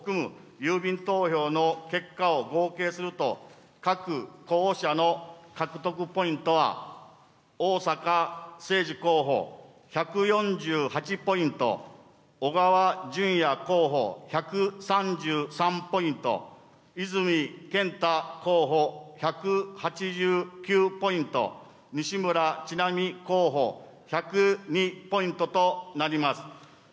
郵便投票の結果を合計すると、各候補者の獲得ポイントは、逢坂誠二候補１４８ポイント、小川淳也候補１３３ポイント、泉健太候補１８９ポイント、西村智奈美候補、１０２ポイントとなります。